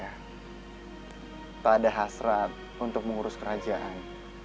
tidak ada hasrat untuk mengurus kerajaan